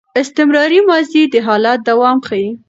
استمراري ماضي د حالت دوام ښيي.